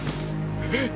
えっ！？